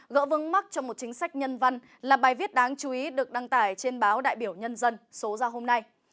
gỡ vướng mắt cho một chính sách nhân văn là bài viết đáng chú ý được đăng tải trên báo đại biểu nhân dân số ra hôm nay